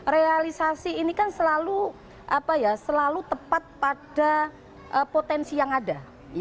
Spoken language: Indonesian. realisasi ini kan selalu tepat pada potensi yang ada